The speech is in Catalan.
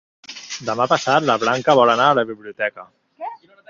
Demà passat na Blanca vol anar a la biblioteca.